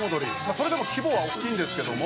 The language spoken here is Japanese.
「それでも規模は大きいんですけども」